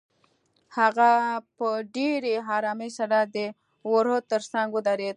هغه په ډېرې آرامۍ سره د وره تر څنګ ودرېده.